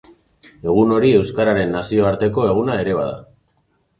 Egun hori Euskararen Nazioarteko Eguna ere bada.